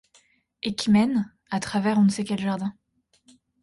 Et qui mène, à travers on ne sait quel jardin